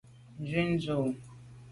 Nzwi dù.